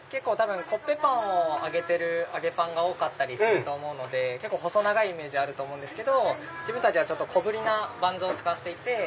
コッペパンを揚げてる揚げパンが多かったりするので細長いイメージあると思うんですけど自分たちは小ぶりなバンズを使っていて。